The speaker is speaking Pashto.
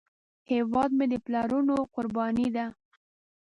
هیواد مې د پلرونو قرباني ده